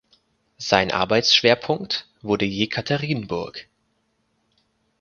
Sein Arbeitsschwerpunkt wurde Jekaterinburg.